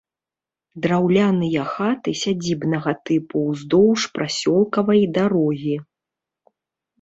Драўляныя хаты сядзібнага тыпу ўздоўж прасёлкавай дарогі.